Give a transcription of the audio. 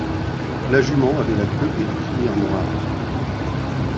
La jument avait la queue et la crinière noires.